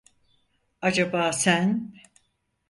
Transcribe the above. Acaba sen…